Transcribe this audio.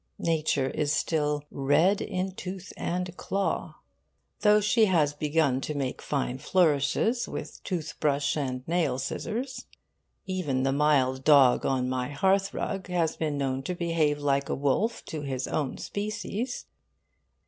Nature is still 'red in tooth and claw,' though she has begun to make fine flourishes with tooth brush and nail scissors. Even the mild dog on my hearth rug has been known to behave like a wolf to his own species.